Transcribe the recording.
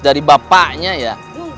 dari bapaknya ya